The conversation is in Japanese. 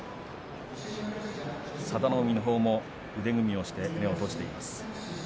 佐田の海のほうも腕組みをして目を閉じています。